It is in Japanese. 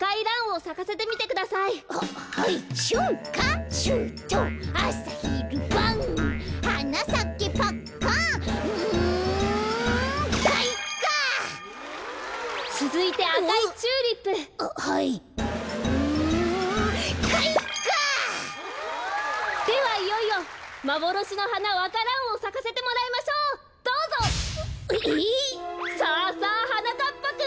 さあさあはなかっぱくん！